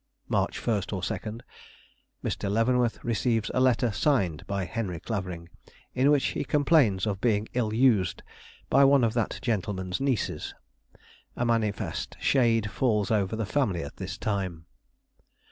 "March 1 or 2. Mr. Leavenworth receives a letter signed by Henry Clavering, in which he complains of having been ill used by one of that gentleman's nieces. A manifest shade falls over the family at this time.